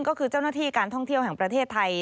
ก็คือเจ้าหน้าที่การท่องเที่ยวแห่งประเทศไทย